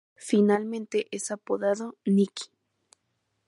Familiarmente es apodado "Niki".